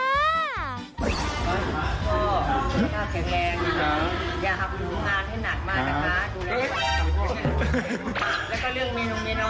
โอ้ยครอบครัวสุขภาพแข็งแรงนะครับ